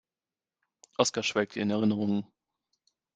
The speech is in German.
Oskar schwelgte in Erinnerungen.